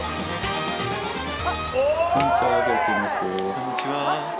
こんにちは。